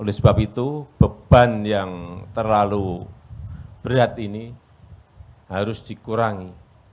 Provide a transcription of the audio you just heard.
oleh sebab itu beban yang terlalu berat ini harus dikurangi